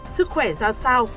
sức khỏe ra sao